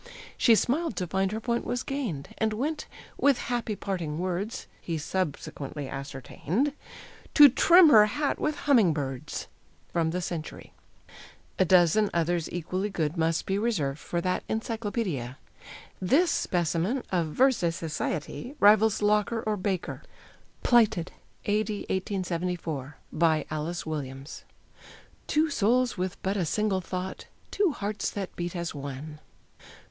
She smiled to find her point was gained And went, with happy parting words (He subsequently ascertained), To trim her hat with humming birds. From the Century. A dozen others equally good must be reserved for that encyclopædia! This specimen, of vers de société rivals Locker or Baker: PLIGHTED: A.D. 1874. BY ALICE WILLIAMS. "Two souls with but a single thought, Two hearts that beat as one."